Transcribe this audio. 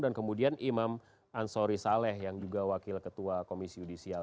dan kemudian imam ansori saleh yang juga wakil ketua komisi judisial